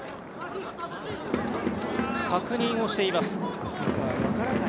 確認しています。